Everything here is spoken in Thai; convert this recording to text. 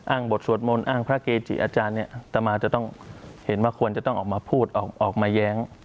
บทสวดมนต์อ้างพระเกจิอาจารย์เนี่ยอัตมาจะต้องเห็นว่าควรจะต้องออกมาพูดออกมาแย้ง